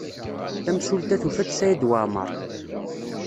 Tamsulta tufa-d Saɛid Waɛmaṛ.